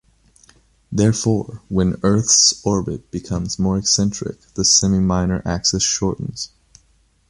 Therefore, when Earth's orbit becomes more eccentric, the semi-minor axis shortens.